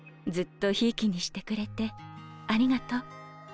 ずっとひいきにしてくれてありがとう。